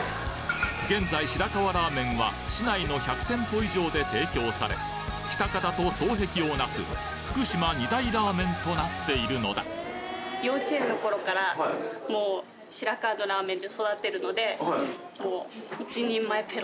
現在白河ラーメンは市内の１００店舗以上で提供され喜多方と双璧をなす福島二大ラーメンとなっているのだ確かに。